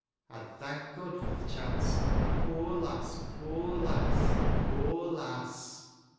I'd thank God fur th' chance — poor lass — poor lass— poor lass!"